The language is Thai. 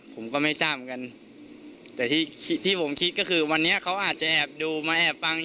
ผมก็ไม่ทราบเหมือนกันแต่ที่ที่ผมคิดก็คือวันนี้เขาอาจจะแอบดูมาแอบฟัง